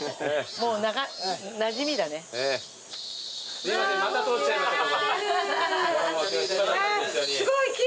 すいませんまた通っちゃいました。来てる。